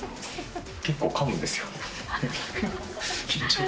結構かむんですよ。